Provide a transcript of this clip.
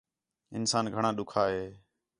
انسان گھݨاں ݙُکّھا ہے